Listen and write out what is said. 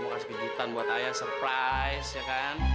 ya gue mau kasih pijitan buat ayah surprise ya kan